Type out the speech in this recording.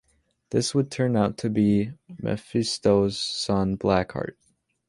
This would turn out to be Mephisto's son Blackheart.